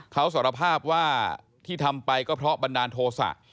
เขาสารภาพว่าที่ทำไปก็เพราะบันดาลโทษะ